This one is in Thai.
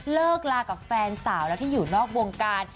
เลิกลากับแฟนสาวแล้วที่อยู่นอกวงการ